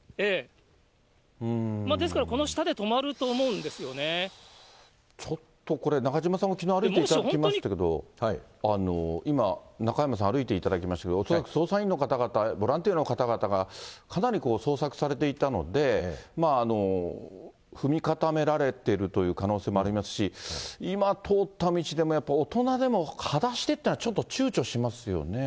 ですからこの下で止まると思うんちょっとこれ、中島さんもきのう歩いていただきましたけど、今、中山さん、歩いていただきましたけれども、恐らく捜査員の方々、ボランティアの方々が、かなり捜索されていたので、踏み固められているという可能性もありますし、今通った道でもやっぱり大人でも、はだしでというのはちょっとちゅうちょしますよね。